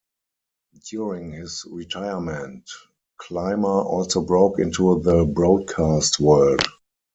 During his retirement Clymer also broke into the broadcast world.